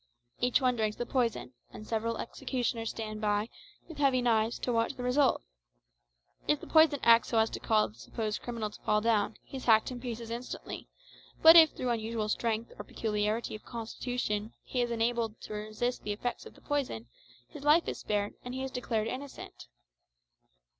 Each one drinks the poison, and several executioners stand by, with heavy knives, to watch the result. If the poison acts so as to cause the supposed criminal to fall down, he is hacked in pieces instantly; but if, through unusual strength or peculiarity of constitution, he is enabled to resist the effects of the poison, his life is spared, and he is declared innocent.